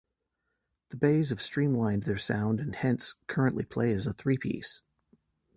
The Bays have streamlined their sound and hence, currently play as a three piece.